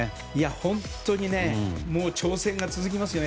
本当に挑戦が続きますよね。